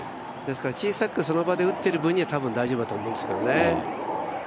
ですから、小さく、その場で打ってる分には大丈夫だと思うんですけどね。